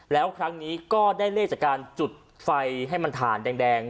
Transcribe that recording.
แล้วครั้งนี้ก็ได้เลขจากการจุดไฟให้มันถ่านแดง